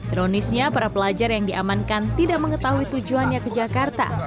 ironisnya para pelajar yang diamankan tidak mengetahui tujuannya ke jakarta